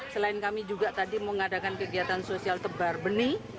selain kami juga tadi mengadakan kegiatan sosial tebar benih